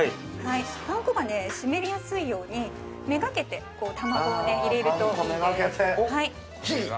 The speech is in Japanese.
パン粉がね湿りやすいように目がけて卵を入れるといいです